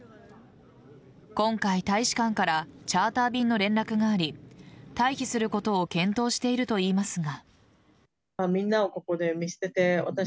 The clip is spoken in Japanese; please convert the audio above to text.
今回、大使館からチャーター便の連絡があり退避することを検討しているといいますが。